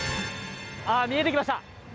見えてきました。